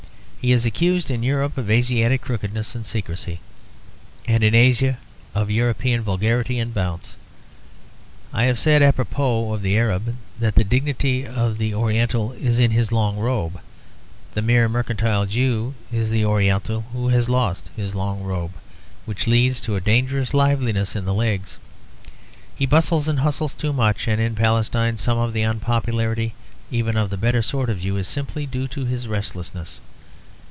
He is accused in Europe of Asiatic crookedness and secrecy, and in Asia of European vulgarity and bounce. I have said a propos of the Arab that the dignity of the oriental is in his long robe; the merely mercantile Jew is the oriental who has lost his long robe, which leads to a dangerous liveliness in the legs. He bustles and hustles too much; and in Palestine some of the unpopularity even of the better sort of Jew is simply due to his restlessness.